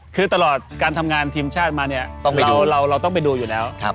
คือตลอดการทำงานทีมชาติมาเราต้องไปดูอยู่แล้ว